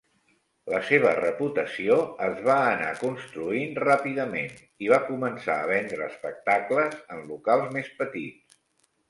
La seva reputació es va anar construint ràpidament i va començar a vendre espectacles en locals més petits